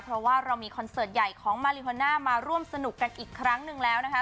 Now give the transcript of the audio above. เพราะว่าเรามีคอนเสิร์ตใหญ่ของมาริโฮน่ามาร่วมสนุกกันอีกครั้งหนึ่งแล้วนะคะ